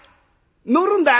乗るんだよ